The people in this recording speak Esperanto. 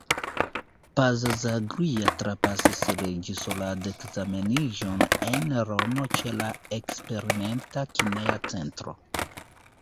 Pazzaglia trapasis reĝisoradekzameniĝon en Romo ĉe la Eksperimenta kineja centro.